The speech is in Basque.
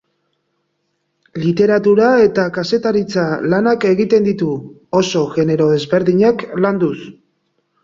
Literatura eta kazetaritza lanak egiten ditu, oso genero ezberdinak landuz.